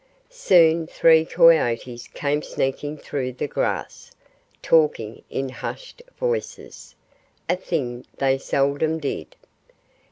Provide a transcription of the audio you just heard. Soon three coyotes came sneaking through the grass, talking in hushed voices a thing they seldom did.